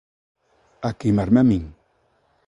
A queimarme a min?